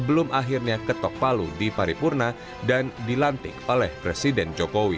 sebelum akhirnya ketempatan paripurna kepala dan dilantik oleh presiden jokowi